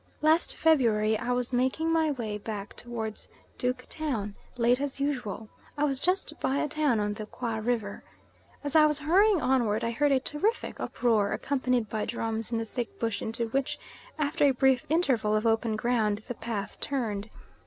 Last February I was making my way back toward Duke Town late, as usual; I was just by a town on the Qwa River. As I was hurrying onward I heard a terrific uproar accompanied by drums in the thick bush into which, after a brief interval of open ground, the path turned.